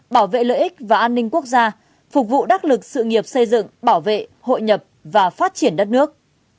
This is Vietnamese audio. bảo vệ lợi ích và an ninh quốc gia phục vụ đắc lực sự nghiệp xây dựng bảo vệ hội nhập và phát triển đất nước